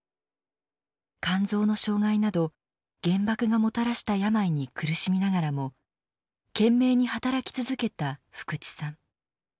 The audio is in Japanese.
肝臓の障害など原爆がもたらした病に苦しみながらも懸命に働き続けた福地さん。